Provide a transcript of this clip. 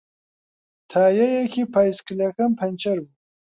تایەیەکی پایسکلەکەم پەنچەر بووە.